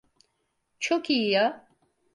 Çok iyi ya!